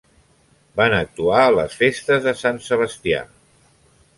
Van actuar a les festes de Sant Sebastià.